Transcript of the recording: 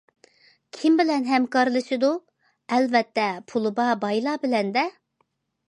كىم بىلەن ھەمكارلىشىدۇ؟ ئەلۋەتتە پۇلى بار بايلار بىلەن- دە!